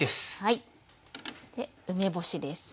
梅干しです。